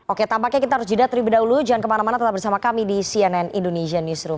oke tampaknya kita harus jeda terlebih dahulu jangan kemana mana tetap bersama kami di cnn indonesia newsroom